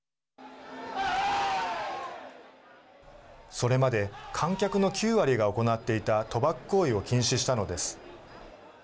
それまで観客の９割が行っていた賭博行為を禁止したのです。